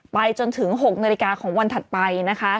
ไปจนถึง๖นาฬิกาของวันถัดไปนะคะ